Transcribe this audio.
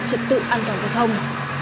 trận tự an toàn giao thông